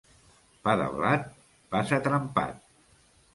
Pa de blat passa trempat.